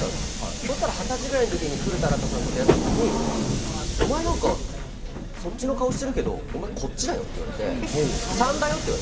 そしたら、二十歳ぐらいの時に古田新太さんと出会った時にお前なんかそっちの顔してるけどこっちだよと３だよって。